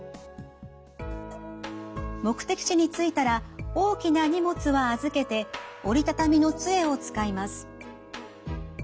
目的地に着いたら大きな荷物は預けて折りたたみの杖を使います。